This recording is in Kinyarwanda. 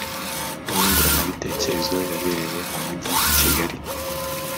nyunguranabitekerezo yabereye mu mujyi kigali